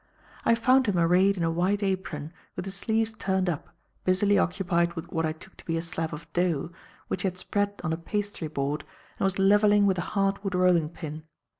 I found him arrayed in a white apron, with his sleeves turned up, busily occupied with what I took to be a slab of dough, which he had spread on a pastry board and was levelling with a hard wood rolling pin.